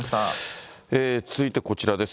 続いてこちらです。